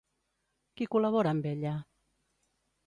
Qui col·labora amb ella?